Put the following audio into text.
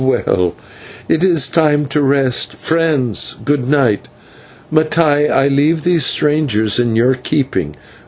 Well, it is time to rest. Friends, good night. Mattai, I leave these strangers in your keeping.